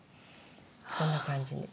こんな感じに。